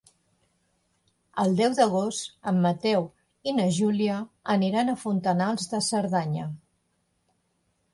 El deu d'agost en Mateu i na Júlia aniran a Fontanals de Cerdanya.